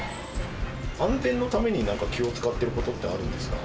安全のために、何か気を遣ってることってあるんですか？